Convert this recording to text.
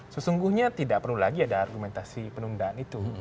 sesungguhnya tidak perlu lagi ada argumentasi penundaan itu